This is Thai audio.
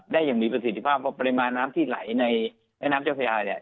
อย่างมีประสิทธิภาพเพราะปริมาณน้ำที่ไหลในแม่น้ำเจ้าพระยาเนี่ย